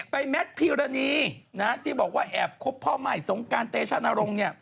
แมทพีรณีที่บอกว่าแอบคบพ่อใหม่สงการเตชะนรงค์เนี่ย